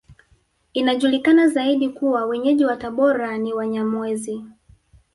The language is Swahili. Inajulikana zaidi kuwa Wenyeji wa Tabora ni Wanyamwezi